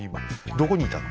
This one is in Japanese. どこにいたの？